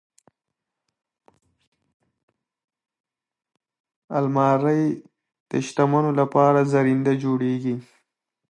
الماري د شتمنو لپاره زرینده جوړیږي